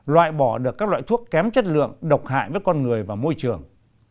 loại bỏ được các loại thuốc kém chất lượng độc hại với con người và môi trường